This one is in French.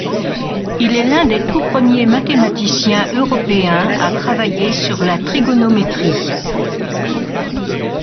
Il est l'un des tout premiers mathématiciens européens à travailler sur la trigonométrie.